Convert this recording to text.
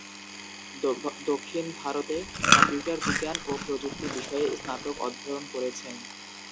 দক্ষিণ ভারতে কম্পিউটার বিজ্ঞান এবং প্রযুক্তি বিষয়ে স্নাতক অধ্যয়ন করেছেন।